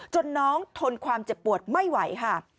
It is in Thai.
น้องทนความเจ็บปวดไม่ไหวค่ะ